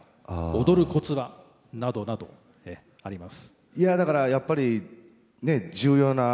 「踊るコツは？」などなどあります。